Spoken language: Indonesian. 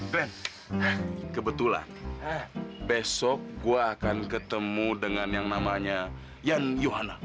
grand kebetulan besok gue akan ketemu dengan yang namanya yan yohana